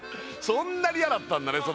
そんなに嫌だったんだね